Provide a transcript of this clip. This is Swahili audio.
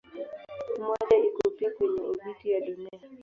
Mmoja iko pia kwenye obiti ya Dunia.